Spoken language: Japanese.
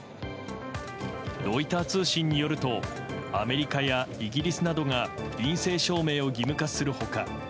ロイター通信によるとアメリカやイギリスなどが陰性証明を義務化する他